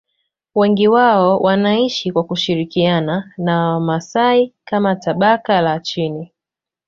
Wengi wao wanaishi kwa kushirikiana na Wamasai kama tabaka la chini.